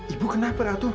ibu kenapa ratu